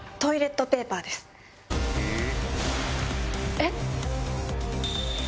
えっ？